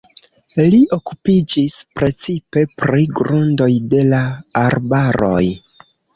Li okupiĝis precipe pri grundoj de la arbaroj.